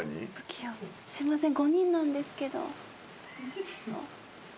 すいません。